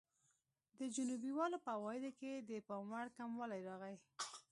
د جنوبي والو په عوایدو کې د پاموړ کموالی راغی.